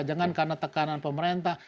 jangan karena tekanan pemerintah